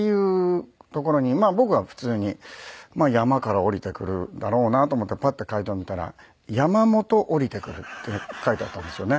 僕は普通に「山から下りてくる」だろうなと思ってパッて解答を見たら「山本下りてくる」って書いてあったんですよね。